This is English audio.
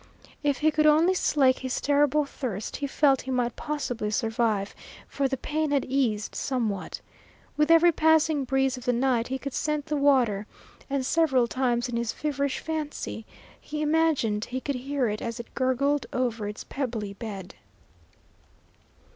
If he could only slake his terrible thirst he felt he might possibly survive, for the pain had eased somewhat. With every passing breeze of the night he could scent the water, and several times in his feverish fancy he imagined he could hear it as it gurgled over its pebbly bed.